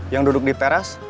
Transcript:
yang duduk di teras